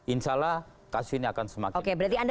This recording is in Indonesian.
insya allah kasus ini akan semakin